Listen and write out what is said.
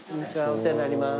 お世話になります。